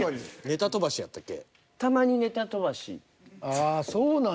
ああそうなんや。